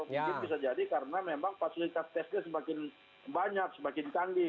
mungkin bisa jadi karena memang fasilitas tesnya semakin banyak semakin canggih